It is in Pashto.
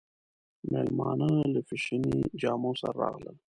مېلمانه له فېشني جامو سره راغلل.